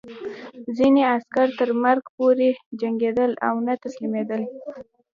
ځینې عسکر تر مرګ پورې جنګېدل او نه تسلیمېدل